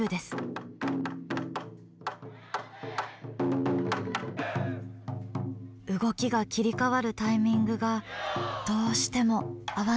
動きが切り替わるタイミングがどうしても合わないのです。